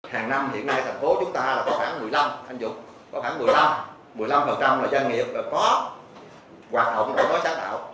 hàng năm hiện nay thành phố chúng ta có khoảng một mươi năm một mươi năm là doanh nghiệp có hoạt động đổi mới sáng tạo